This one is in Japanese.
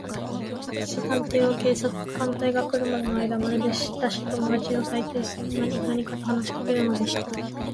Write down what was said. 明智探偵は、警官隊が来るまでのあいだを、まるでしたしい友だちにでもたいするように、何かと話しかけるのでした。